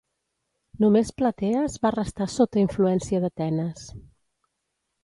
Només Platees va restar sota influència d'Atenes.